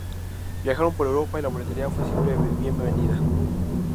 Viajaron por Europa y la boletería fue siempre bien vendida.